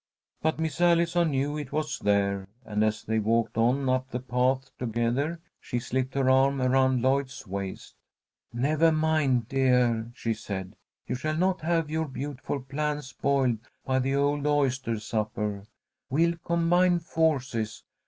But Miss Allison knew it was there, and, as they walked on up the path together, she slipped her arm around Lloyd's waist. "Never mind, dear," she said. "You shall not have your beautiful plan spoiled by the old oyster supper. We'll combine forces.